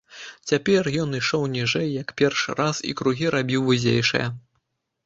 Цяпер ён ішоў ніжэй, як першы раз, і кругі рабіў вузейшыя.